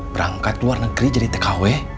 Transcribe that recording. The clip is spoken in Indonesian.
berangkat ke luar negeri jadi tkw